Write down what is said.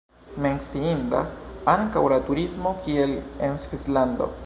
Menciindas ankaŭ la turismo, kiel en Svislando.